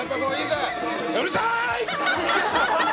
うるさーい！